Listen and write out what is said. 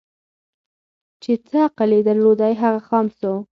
چي څه عقل یې درلودی هغه خام سو